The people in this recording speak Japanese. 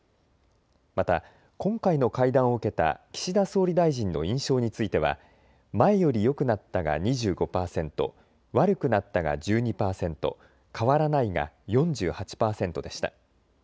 また今回の会談を受けた岸田総理大臣の印象については前よりよくなったが２５％、悪くなったが１２％、変わらないが４８％でした。